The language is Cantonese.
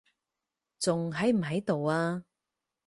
仲喺唔喺度啊？